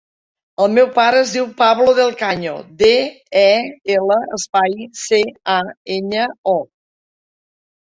El meu pare es diu Pablo Del Caño: de, e, ela, espai, ce, a, enya, o.